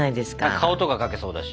顔とか描けそうだし。